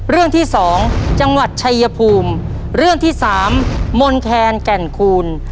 เรื่องที่สองจังหวัดชัยภูมิเรื่องที่สามมนแคนแก่นคูณ